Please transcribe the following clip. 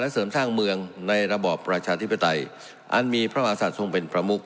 เสริมสร้างเมืองในระบอบประชาธิปไตยอันมีพระมหาศัตว์ทรงเป็นประมุก